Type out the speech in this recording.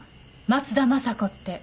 松田雅子って。